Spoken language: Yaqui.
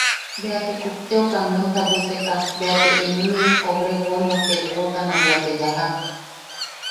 Bea te kupteo kamionta bwiseka bea te inimi obregóneu ketwotana bea te yajak.